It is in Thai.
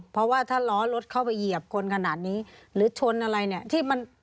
เพราะว่าถ้าล้อรถเข้าไปเหยียบคนขนาดนี้หรือชนอะไรเนี่ย